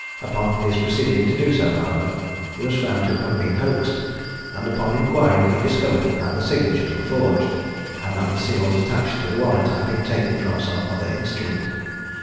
Upon his proceeding to do so, however, he was found to have been hoaxed; and upon inquiry, he discovered that the signatures were forged, and that the seals attached to the warrant had been taken from some other instrument.